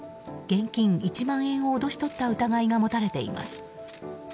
現金１万円を脅し取った疑いが持たれています。